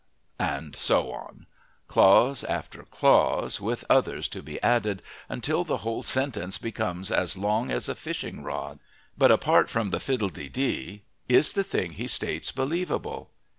And so on, clause after clause, with others to be added, until the whole sentence becomes as long as a fishing rod. But apart from the fiddlededee, is the thing he states believable?